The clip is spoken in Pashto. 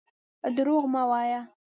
درواغ مه وايه.